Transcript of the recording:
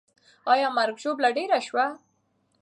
آیا مرګ او ژوبله ډېره سوه؟